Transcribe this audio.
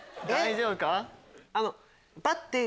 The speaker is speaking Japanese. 大丈夫か？